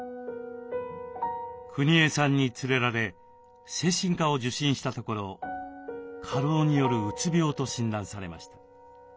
くにえさんに連れられ精神科を受診したところ過労によるうつ病と診断されました。